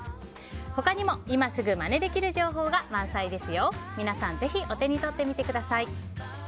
他にも今すぐまねできる情報が満載です。